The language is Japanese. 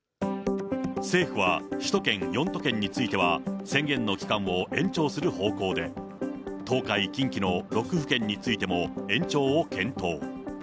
政府は首都圏４都県については、宣言の期間を延長する方向で、東海、近畿の６府県についても、延長を検討。